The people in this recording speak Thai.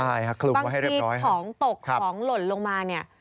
บางทีของตกของหล่นลงมาเนี่ย